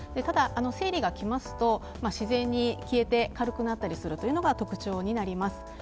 ただ、生理が来ますと自然に消えて軽くなるのが特徴になります。